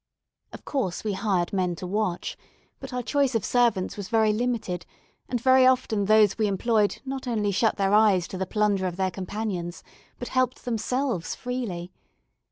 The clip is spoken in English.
Of course we hired men to watch; but our choice of servants was very limited, and very often those we employed not only shut their eyes to the plunder of their companions, but helped themselves freely.